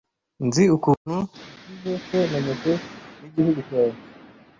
Nzi ukuntu wasize so na nyoko n’igihugu cyawe